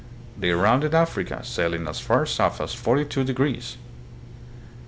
They rounded Africa, sailing as far south as 42 degrees.